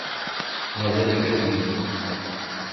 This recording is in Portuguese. Mas ele fez muito.